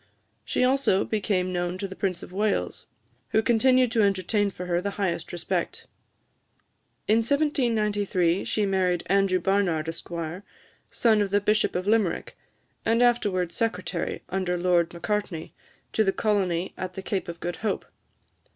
She also became known to the Prince of Wales, who continued to entertain for her the highest respect. In 1793, she married Andrew Barnard, Esq., son of the Bishop of Limerick, and afterwards secretary, under Lord Macartney, to the colony at the Cape of Good Hope.